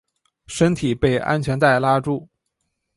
身体被安全带拉住